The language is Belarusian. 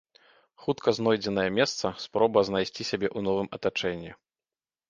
Хутка знойдзенае месца, спроба знайсці сябе ў новым атачэнні.